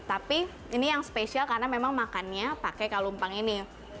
tapi ini yang spesial karena memang makannya pakai kalumpang ini